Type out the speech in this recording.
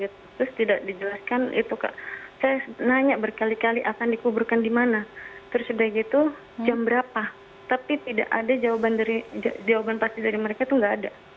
terus tidak dijelaskan itu kak saya nanya berkali kali akan dikuburkan di mana terus sudah gitu jam berapa tapi tidak ada jawaban pasti dari mereka itu nggak ada